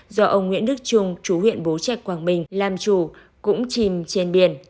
do ông nguyễn đức trung chủ huyện bố trẻ quảng bình làm chủ cũng chìm trên biển